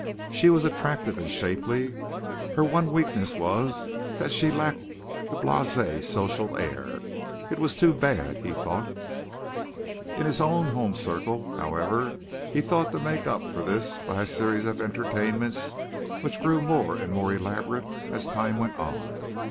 She was attractive and shapely. Her one weakness was that she lacked the blasé social air. It was too bad, he thought. In his own home and circle, however, he thought to make up for this by a series of entertainments which grew more and more elaborate as time went on.